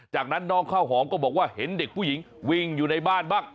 จากนั้นน้องข้าวหอมก็บอกว่าเห็นเด็กผู้หญิงวิ่งอยู่ในบ้านบ้าง